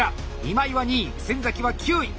今井は２位先は９位。